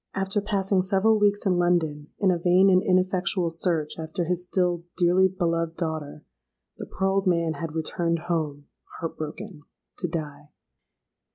After passing several weeks in London in a vain and ineffectual search after his still dearly beloved daughter, the poor old man had returned home, heart broken—to die!